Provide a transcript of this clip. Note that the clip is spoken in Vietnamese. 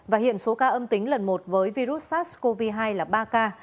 và hiện số ca âm tính lần một với virus sars cov hai là ba ca